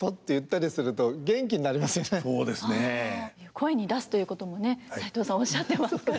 声に出すということも齋藤さんおっしゃってますからね。